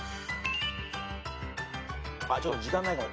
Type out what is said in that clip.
ちょっと時間ないかも。